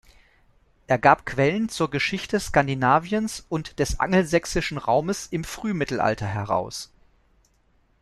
Er gab Quellen zur Geschichte Skandinaviens und des angelsächsischen Raumes im Frühmittelalter heraus.